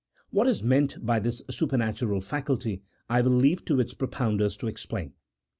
What is meant by this supernatural faculty I will leave to its pro pounders to explain.